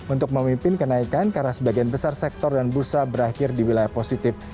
untuk memimpin kenaikan karena sebagian besar sektor dan bursa berakhir di wilayah positif